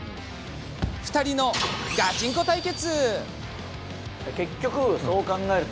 ２人のガチンコ対決。